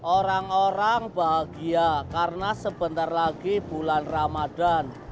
orang orang bahagia karena sebentar lagi bulan ramadan